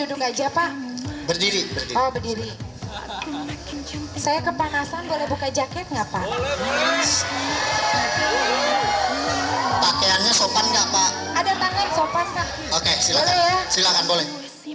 oke silahkan silahkan boleh